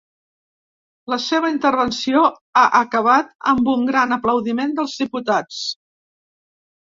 La seva intervenció ha acabat amb un gran aplaudiment dels diputats.